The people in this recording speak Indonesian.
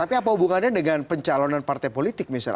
tapi apa hubungannya dengan pencalonan partai politik misalnya